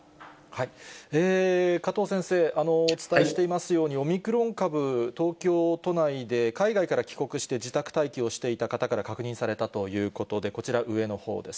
加藤先生、お伝えしていますように、オミクロン株、東京都内で海外から帰国して、自宅待機をしていた方から確認されたということで、こちら、上のほうです。